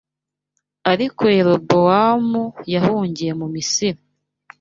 Ariko Yerobowamu yahungiye mu Misiri